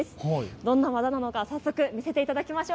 どんな技なのか早速、見せていただきましょう。